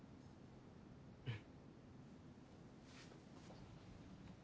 うん。